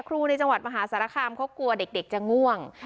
ในจังหวัดมหาสารคามเขากลัวเด็กจะง่วง